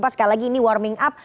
sekali lagi ini warming up